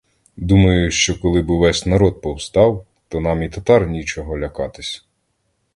Думаю, що коли б увесь народ повстав, то нам і татар нічого лякатись.